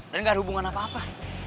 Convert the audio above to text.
dan gak ada hubungan apa apa